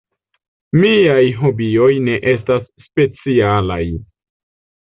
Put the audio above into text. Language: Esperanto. Miaj hobioj ne estas specialaj.